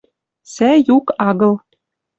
Сӓ юк агыл